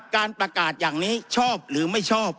การประกาศอย่างนี้ชอบหรือไม่ชอบ